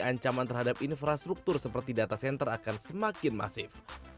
ancaman terhadap infrastruktur seperti data center akan semakin masif